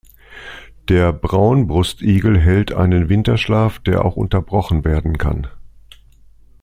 Der Braunbrustigel hält einen Winterschlaf, der auch unterbrochen werden kann.